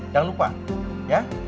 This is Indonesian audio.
jangan lupa ya